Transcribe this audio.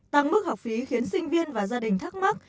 tăng mức học phí khiến sinh viên và gia đình thắc mắc